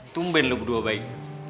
tumben lo berdua baik